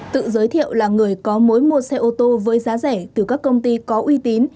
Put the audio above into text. tự giới thiệu là người có mối mua xe ô tô với giá rẻ từ các công ty có uy tín